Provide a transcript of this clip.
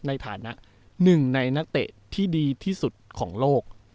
ในฐานะหนึ่งในนักเตะที่ดีที่สุดของโลก